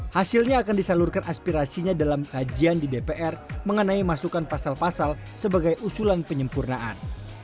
hasilnya akan disalurkan aspirasinya dalam kajian di dpr mengenai masukan pasal pasal sebagai usulan penyempurnaan